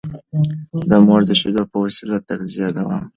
د مور د شېدو په وسيله د تغذيې دوام